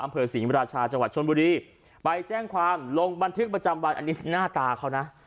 อำเภอศรีมราชาจังหวัดชนบุรีไปแจ้งความลงบันทึกประจำวันอันนี้หน้าตาเขานะ